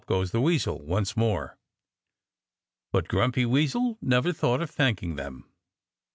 Goes the Weasel" once more. But Grumpy Weasel never thought of thanking them.